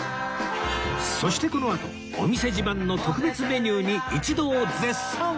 そしてこのあとお店自慢の特別メニューに一同絶賛！